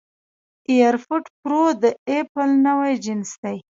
اېرفوډ پرو د اېپل نوی جنس دی